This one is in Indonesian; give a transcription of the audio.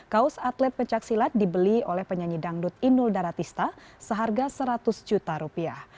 kaos atlet pencaksilat dibeli oleh penyanyi dangdut inul daratista seharga seratus juta rupiah